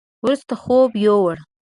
وروسته خوب يوووړ.